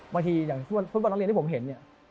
บางทีอย่างฟุติปับน้องเรียนที่ผมเห็น